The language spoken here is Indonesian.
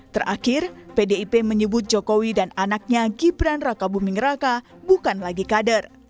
terakhir pdip menyebut jokowi dan anaknya gibran raka buming raka bukan lagi kader